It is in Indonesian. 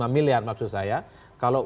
miliar maksud saya kalau